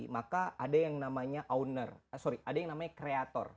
maka ada yang namanya owner sorry ada yang namanya kreator